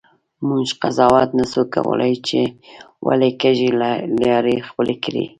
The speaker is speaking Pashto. مونږ قضاوت نسو کولی چې ولي کږې لیارې خپلي کړي.